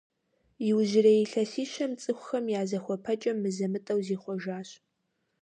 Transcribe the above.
Иужьрей илъэсищэм цӏыхухэм я зыхуэпэкӏэм мызэ-мытӏэу зихъуэжащ.